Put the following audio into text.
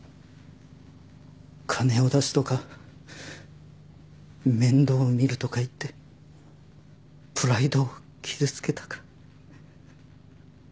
金を出すとか面倒見るとか言ってプライドを傷つけたか。